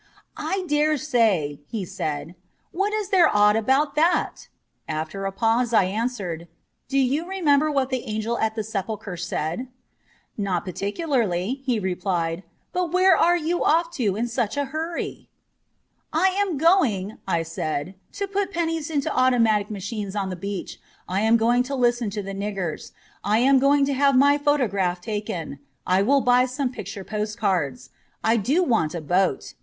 'I daresay,' he said. 'What is there odd about that ?' After a pause I answered, * Do you remember what the Angel at the Sepulchre said ?'' Not particularly,' he replied ;' but where are you off to in such a hurry ?'' I am going, ' I said, * to put pennies into automatic machines on the beach. I am going to listen to the niggers. I am going to have my photograph taken. I will buy some picture postcards. I do want a boat.